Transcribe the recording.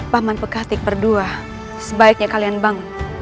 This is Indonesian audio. paman pekatik berdua sebaiknya kalian bangun